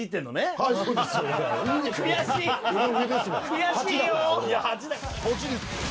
悔しいよ。